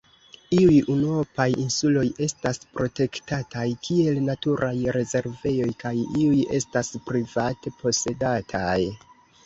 Iuj unuopaj insuloj estas protektataj kiel naturaj rezervejoj kaj iuj estas private posedataj.